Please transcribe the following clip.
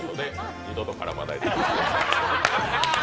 二度と絡まないでください。